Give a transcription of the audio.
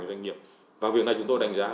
doanh nghiệp và việc này chúng tôi đánh giá